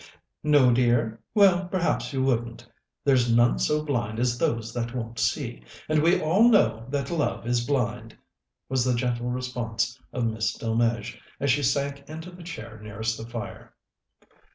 "No, dear? Well, perhaps you wouldn't. There's none so blind as those that won't see, and we all know that love is blind," was the gentle response of Miss Delmege, as she sank into the chair nearest the fire.